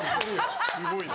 すごいな。